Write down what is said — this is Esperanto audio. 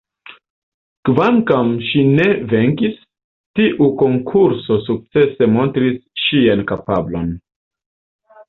Kvankam ŝi ne venkis, tiu konkuro sukcese montris ŝian kapablon.